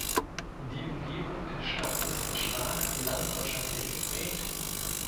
Die Umgebung der Stadt ist stark landwirtschaftlich geprägt.